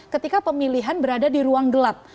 ketika pemilihan berada di ruang gelap